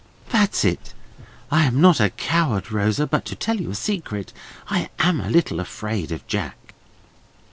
That's it! I am not a coward, Rosa, but to tell you a secret, I am a little afraid of Jack."